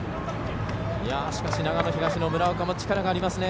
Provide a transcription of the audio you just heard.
長野東の村岡も力がありますね。